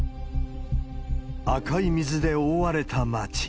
赤い水で覆われた町。